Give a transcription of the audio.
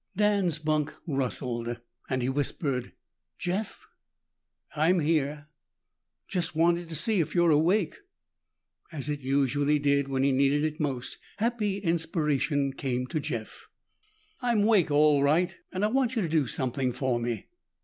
Dan's bunk rustled and he whispered, "Jeff." "I'm here." "Just wanted to see if you're awake." As it usually did when he needed it most, happy inspiration came to Jeff. "I'm awake all right and I want you to do something for me."